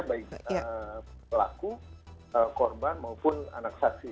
baik pelaku korban maupun anak saksi